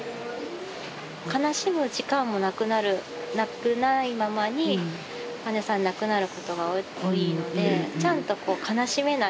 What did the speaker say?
悲しむ時間もなくなるないままに患者さん亡くなることが多いのでちゃんとこう悲しめない。